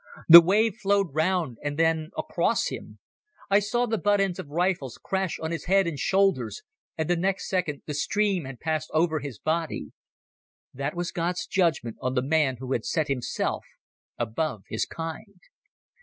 The wave flowed round and then across him. I saw the butt ends of rifles crash on his head and shoulders, and the next second the stream had passed over his body. That was God's judgement on the man who had set himself above his kind.